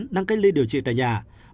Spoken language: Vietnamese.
đang cách ly điều trị tại nhà